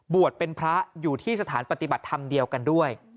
บวชเป็นพระอยู่ที่สถานปฏิบัติธรรมเดียวกันด้วย